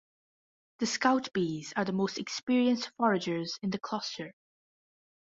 The scout bees are the most experienced foragers in the cluster.